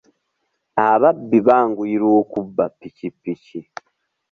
Ababbi banguyirwa okubba ppikippiki.